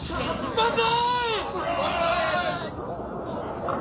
万歳！